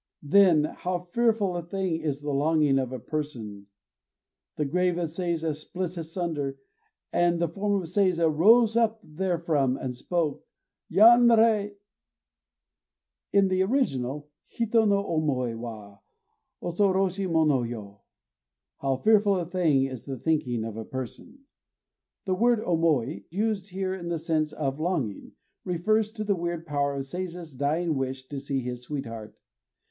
Then how fearful a thing is the longing of a person the grave of Seiza split asunder; and the form of Seiza rose up therefrom and spoke. Yanrei! In the original: Hito no omoi wa osoroshi mono yo! ("how fearful a thing is the thinking of a person!"). The word omoi, used here in the sense of "longing," refers to the weird power of Seiza's dying wish to see his sweetheart.